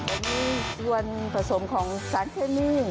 อันนี้ยวนผสมของสารเคมี่ง